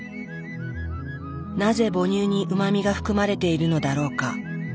なぜ母乳にうま味が含まれているのだろうか？